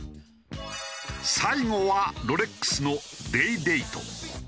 最後はロレックスのデイデイト。